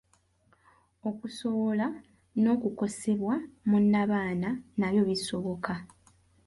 Okusowola n’okukosebwa mu nnabaana nabyo bisoboka.